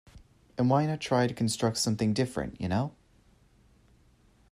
And not try to construct something different, you know?